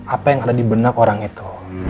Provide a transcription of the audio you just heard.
apa yang ada di benak orang itu